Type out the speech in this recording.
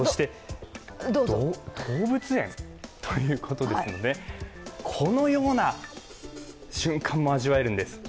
動物園ということですので、このような瞬間も味わえるんです。